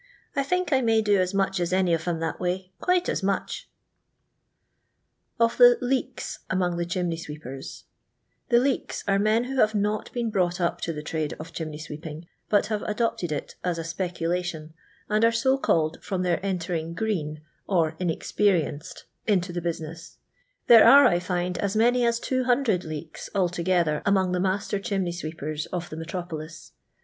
I think I may do as much as any of 'em that way, quite as much." Of thb "Lwks" amok« th» Chiunky swbbpebs. Thb Leth are men who have not been brought up to the trade of chimney sweeping, but have adopted it as a speeoktion, and are so called from their entering green, or inexperieneed, into the 370 LONDON LABOUR AND THE LONDON POOR. biislncsa. There nre I lind ns many as 200 leeks altogether uniong the master chimney sweepers of the metropoliu.